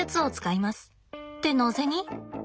ってなぜに？